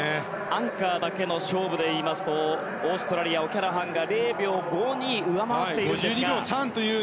アンカーだけの勝負で言いますとオーストラリア、オキャラハンが０秒５２上回っているという。